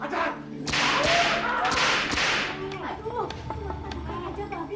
aduh aduk aja babi